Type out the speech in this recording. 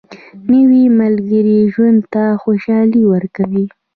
نوې ملګرې ژوند ته خوشالي ورکوي